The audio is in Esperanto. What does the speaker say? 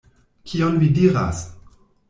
Kion vi diras?